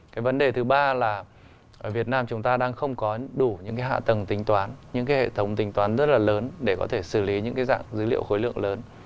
cái vấn đề thứ ba là ở việt nam chúng ta đang không có đủ những cái hạ tầng tính toán những cái hệ thống tính toán rất là lớn để có thể xử lý những cái dạng dữ liệu khối lượng lớn